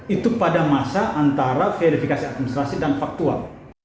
itu pada masa antara verifikasi administrasi dan faktual